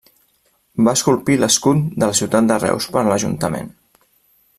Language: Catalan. Va esculpir l'escut de la ciutat de Reus per l'ajuntament.